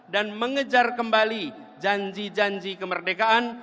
dan mengejar kembali janji janji kemerdekaan